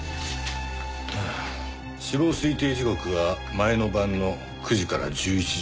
死亡推定時刻は前の晩の９時から１１時頃か。